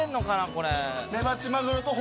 これ。